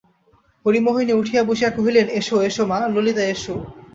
হরিমোহিনী উঠিয়া বসিয়া কহিলেন, এসো, এসো মা, ললিতা এসো।